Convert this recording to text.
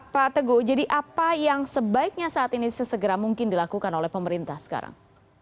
pak teguh jadi apa yang sebaiknya saat ini sesegera mungkin dilakukan oleh pemerintah sekarang